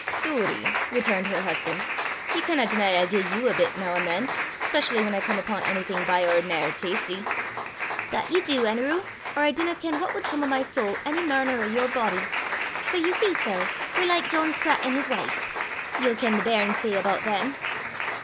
"Doory," returned her husband, "ye canna deny I gie ye a bit noo an' than, specially whan I come upo' onything by ord'nar tasty!" "That ye du, Anerew, or I dinna ken what wud come o' my sowl ony mair nor o' your boady! Sae ye see, sir, we're like John Sprat an' his wife: ye'll ken what the bairns say aboot them?"